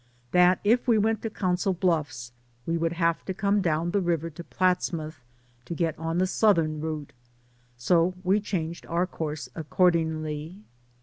That if we went to Council Bluffs we would have to come down the river to Platsmouth to get on the southern route. So we changed our course accordingly.